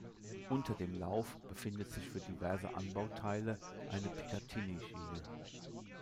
Unter dem Lauf befindet sich für diverse Anbauteile eine Picatinny-Schiene.